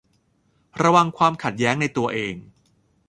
ระวังความขัดแย้งในตัวเอง